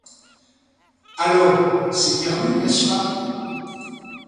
Alors, c'est permis, n'est-ce pas?